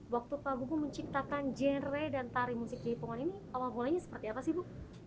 waktu pak buku menciptakan genre dan tari musik jaipongan ini awal mulanya seperti apa sih bu